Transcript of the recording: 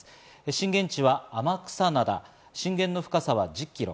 震源地は天草灘、震源の深さは１０キロ。